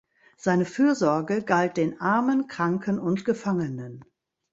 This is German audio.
Seine Fürsorge galt den Armen, Kranken und Gefangenen.